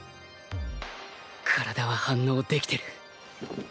体は反応できてる